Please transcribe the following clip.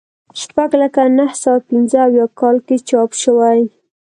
شپږ لکه نهه سوه پنځه اویا کال کې چاپ شوی.